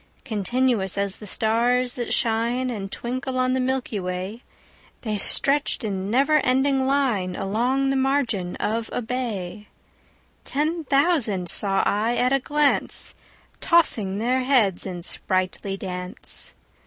Continuous as the stars that shine And twinkle on the milky way, They stretched in never ending line Along the margin of a bay: 10 Ten thousand saw I at a glance, Tossing their heads in sprightly dance.